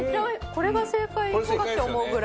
これが正解とかって思うぐらい。